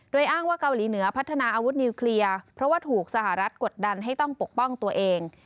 โดยอ้างว่าเกาหลีเหนือพัฒนาอาวุธนิวเคลียร์เพราะว่าถูกสหรัฐกดดันให้ต้องปกป้องตัวเอง